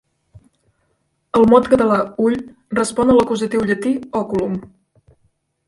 El mot català "ull" respon a l'acusatiu llatí "oculum".